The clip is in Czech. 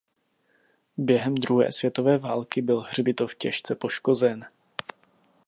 Během druhé světové války byl hřbitov těžce poškozen.